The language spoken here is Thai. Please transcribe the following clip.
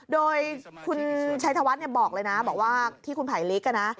โดยคุณชัยธวัฒน์บอกเลยนะบอกว่าที่คุณไผลลิกนะ